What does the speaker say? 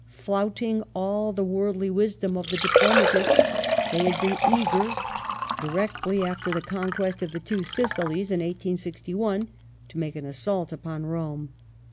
Flouting all the worldly wisdom of the diplomatists, they had been eager, directly after the conquest of the two Sicilies (1861), to make an assault upon Rome.